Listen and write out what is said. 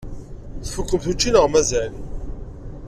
Tfukkemt učči neɣ mazal?